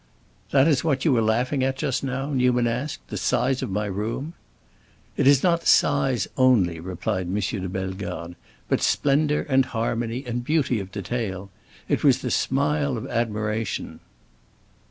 "That is what you were laughing at just now?" Newman asked; "the size of my room?" "It is not size only," replied M. de Bellegarde, "but splendor, and harmony, and beauty of detail. It was the smile of admiration."